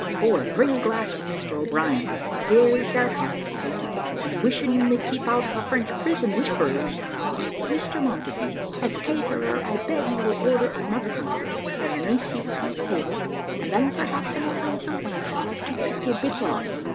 Boy, bring a glass for Mr O'Brien." "Here's your health, Peter, and wishing you may keep out of a French prison this cruise. Mr Montague, as caterer, I beg you will order another candle, that I may see what's on the table, and then perhaps I may find something I should like to pick a bit off."